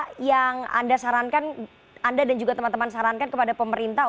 jadi yang anda sarankan anda dan juga teman teman sarankan kepada pemerintah